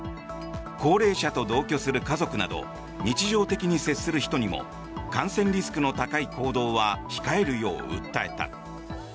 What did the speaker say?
高齢者と同居する家族など日常的に接する人にも感染リスクの高い行動は控えるよう訴えた。